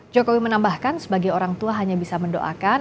jokowi menambahkan sebagai orang tua hanya bisa mendoakan